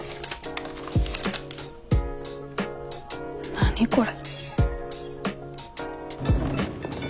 何これ。